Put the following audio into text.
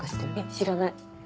知らない。